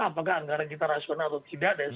apakah anggaran kita rasional atau tidak